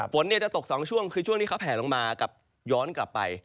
ฝนจะตก๒ช่วงคือช่วงที่เขาแผลลงมากับย้อนกลับไป